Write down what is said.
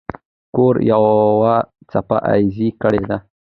کور یوه څپه ایزه ګړه ده.